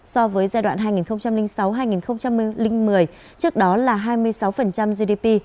so với giai đoạn hai nghìn sáu hai nghìn một mươi trước đó là hai mươi sáu gdp